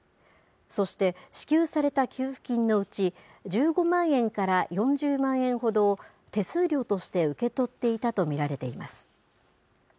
そして支給された給付金のうち、１５万円から４０万円ほどを手数料として受け取っていたと見られています。